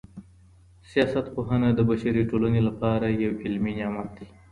سياست پوهنه د بشري ټولنې لپاره يو علمي نعمت دی.